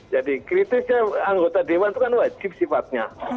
jadi kritisnya anggota dewan itu kan wajib sifatnya